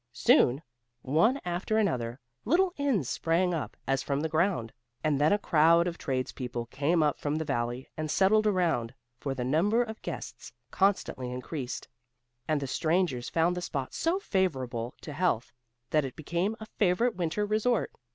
Soon, one after another, little inns sprang up, as from the ground, and then a crowd of trades people came up from the valley, and settled around, for the number of guests constantly increased, and the strangers found the spot so favorable to health, that it became a favorite winter resort.